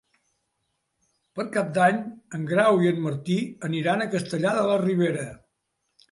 Per Cap d'Any en Grau i en Martí aniran a Castellar de la Ribera.